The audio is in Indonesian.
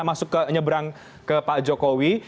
masuk ke nyebrang ke pak jokowi